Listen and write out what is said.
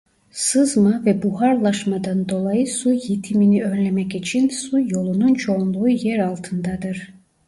Sızma ve buharlaşmadan dolayı su yitimini önlemek için su yolunun çoğunluğu yer altındadır.